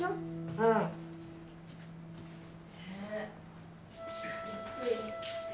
うん。ねえ。